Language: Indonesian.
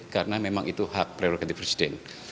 karena memang itu hak prioritas presiden